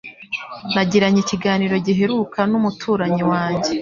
Nagiranye ikiganiro giheruka n'umuturanyi wanjye.